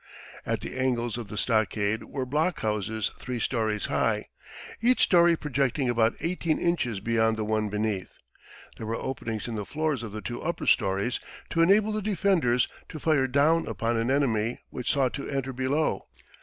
At the angles of the stockade were blockhouses three stories high, each story projecting about eighteen inches beyond the one beneath; there were openings in the floors of the two upper stories to enable the defenders to fire down upon an enemy which sought to enter below.